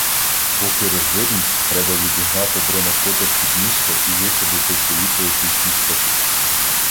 — Поки розвидниться, треба відігнати бронепотяг під місто і висадити в повітря якийсь місток.